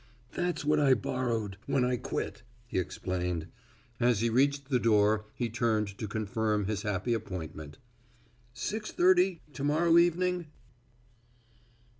"That's what I borrowed, when I quit," he explained. As he reached the door he turned to confirm his happy appointment. "Six thirty to morrow evening?"